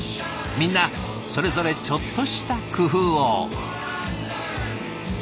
みんなそれぞれちょっとした工夫を。